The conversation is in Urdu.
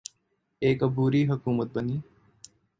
ایک عبوری حکومت بنی۔